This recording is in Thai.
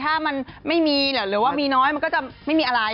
ถ้ามันไม่มีหรือว่ามีน้อยมันก็จะไม่มีอะไร